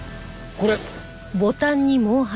これ。